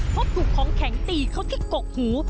เพราะถูกของแข็งตีเขาที่กกหู